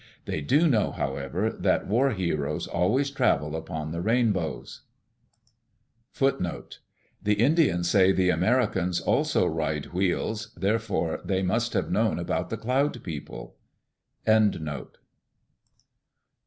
They do know, however, that war heroes always travel upon the rainbows. (5) The Indians say the Americans also ride wheels, therefore they must have known about the Cloud People.